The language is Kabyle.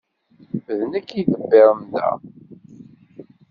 D nekk i iḍebbiren da.